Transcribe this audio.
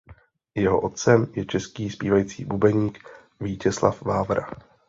Jeho otcem je český zpívající bubeník Vítězslav Vávra.